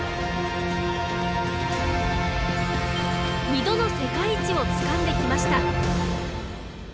２度の世界一をつかんできました。